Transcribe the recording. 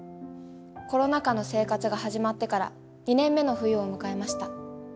コロナ禍の生活が始まってから２年目の冬を迎えました。